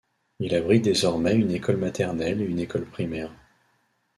Il abrite désormais une école maternelle et une école primaire.